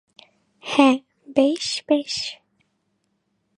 হ্যাঁ, বেশ, বেশ।